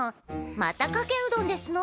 またかけうどんですの？